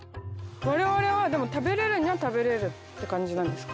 我々は食べれるには食べれるって感じなんですか？